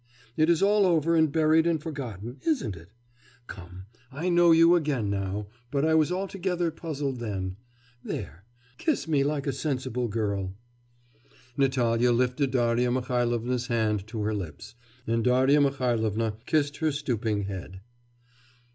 It is all over and buried and forgotten. Isn't it? Come, I know you again now; but I was altogether puzzled then. There, kiss me like a sensible girl!' Natalya lifted Darya Mihailovna's hand to her lips, and Darya Mihailovna kissed her stooping head.